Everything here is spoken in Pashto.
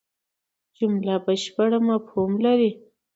جمله بشپړ مفهوم لري.